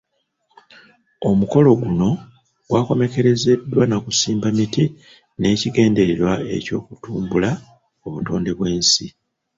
Omukolo guno gwakomekkerezeddwa nakusimba miti n'ekigendererwa eky'okutumbula obutonde bw'ensi.